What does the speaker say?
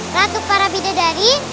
ratu para bidadari